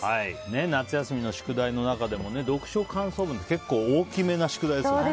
夏休みの宿題の中でも読書感想文って結構大きめな宿題ですよね。